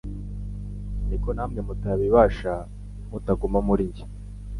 niko namwe mutabibasha, nimutaguma muri njye.»